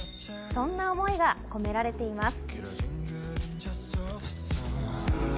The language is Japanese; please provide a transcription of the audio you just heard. そんな思いが込められています。